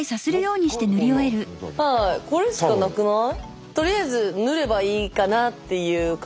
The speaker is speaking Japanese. これしかなくない？